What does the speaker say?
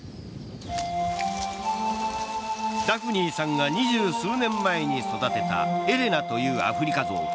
ダフニーさんが二十数年前に育てたエレナというアフリカゾウ。